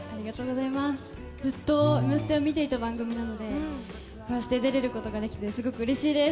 ずっと「Ｍステ」は見ていた番組なのでこうして出ることができてすごくうれしいです。